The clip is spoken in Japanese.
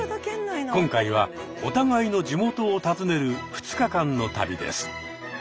今回はお互いの地元を訪ねる２日間の旅です。